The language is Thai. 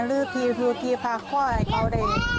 หรือที่ภูมิภาคว่าเกาเหรียญ